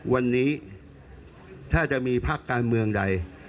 วันนี้ถ้าจะมีภาคการเมืองใด